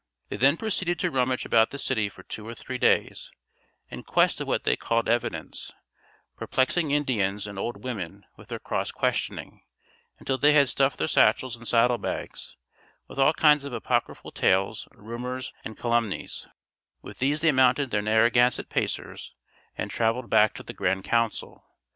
They then proceeded to rummage about the city for two or three days, in quest of what they called evidence, perplexing Indians and old women with their cross questioning until they had stuffed their satchels and saddle bags with all kinds of apocryphal tales, rumors, and calumnies; with these they mounted their Narraganset pacers, and travelled back to the grand council.